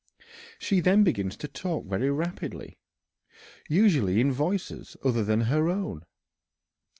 She then begins to talk very rapidly, usually in voices other than her own.